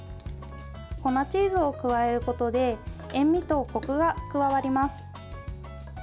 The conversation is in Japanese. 粉チーズを加えることで塩みとこくが加わります。